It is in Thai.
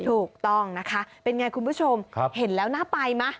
ถูกต้องนะคะเป็นไงคุณผู้ชมเห็นแล้วน่าไปไหม